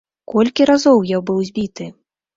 Колькі разоў я быў збіты.